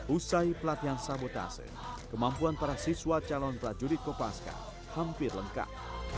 usai pelatihan sabotase kemampuan para siswa calon prajurit kopaska hampir lengkap